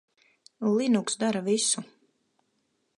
Linux dara visu.